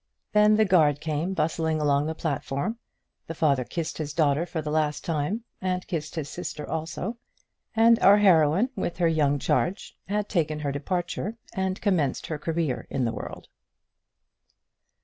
Then the guard came bustling along the platform, the father kissed his daughter for the last time, and kissed his sister also, and our heroine with her young charge had taken her departure, and commenced her career in the world.